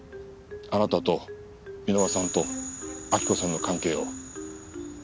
あなたと箕輪さんと亜希子さんの関係を。